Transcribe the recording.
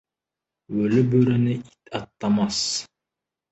Өлі бөріні ит аттамас.